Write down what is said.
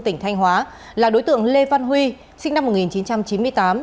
tỉnh thanh hóa là đối tượng lê văn huy sinh năm một nghìn chín trăm chín mươi tám